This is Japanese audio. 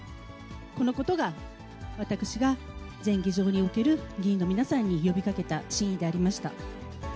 このことが、私が全議場における議員の皆さんに呼びかけた真意でありました。